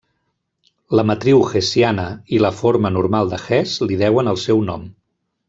La matriu hessiana i la forma normal de Hesse li deuen el seu nom.